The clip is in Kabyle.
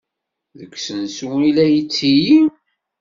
Deg usensu i la tettili?